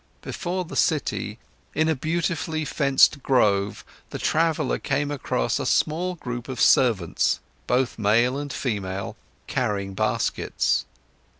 Before the city, in a beautifully fenced grove, the traveller came across a small group of servants, both male and female, carrying baskets.